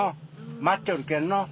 待っちょるけんの。